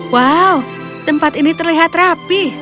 wow tempat ini terlihat rapi